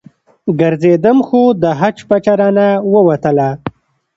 ګرځېدم خو د حج پچه رانه ووتله.